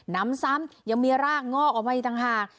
น้ำซ้ำยังมีรากงอกออกมาอีกต่างหาก